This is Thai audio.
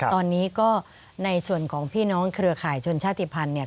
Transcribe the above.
ตอนนี้ก็ในส่วนของพี่น้องเครือข่ายชนชาติภัณฑ์เนี่ย